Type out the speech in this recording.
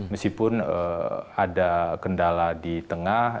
meskipun ada kendala di tengah